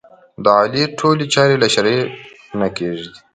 د علي ټولې چارې له شرعې نه کېږي دي.